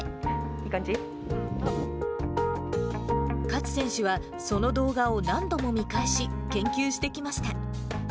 勝選手は、その動画を何度も見返し、研究してきました。